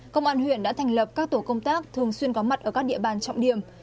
công an huyện đã thành lập các tổ công tác thường xuyên có mặt ở các địa bàn trọng điểm